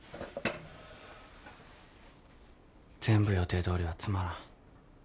全部予定どおりはつまらん。